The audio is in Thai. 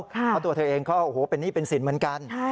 เพราะตัวเธอเองก็โอ้โหเป็นหนี้เป็นสินเหมือนกัน